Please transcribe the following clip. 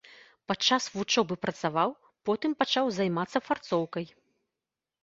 Падчас вучобы працаваў, потым пачаў займацца фарцоўкай.